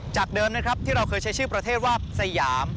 จากเดิมที่เราเคยใช้ชื่อประเทศว่าสยาม